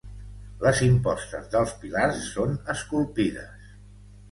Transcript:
Les impostes dels pilars són esculpides.